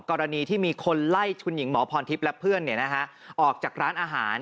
กรณีที่มีคนไล่คุณหญิงหมอพรทิพย์และเพื่อนออกจากร้านอาหาร